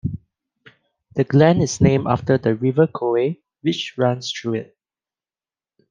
The Glen is named after the River Coe which runs through it.